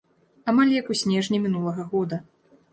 Амаль як у снежні мінулага года.